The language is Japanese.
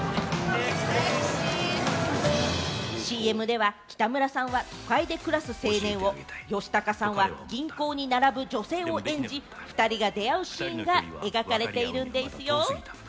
ＣＭでは、北村さんは都会で暮らす青年を、吉高さんは銀行に並ぶ女性を演じ、２人が出会うシーンが描かれているんですよ。